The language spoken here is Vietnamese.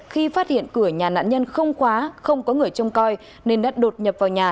khi phát hiện cửa nhà nạn nhân không khóa không có người trông coi nên đã đột nhập vào nhà